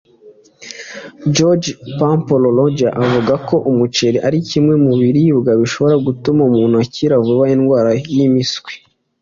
George Pamplona Roger avuga ko umuceli ari kimwe mu biribwa bishobora gutuma umuntu akira vuba indwara y’impiswi